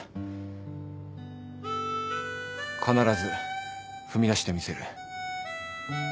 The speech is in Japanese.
必ず踏み出してみせる。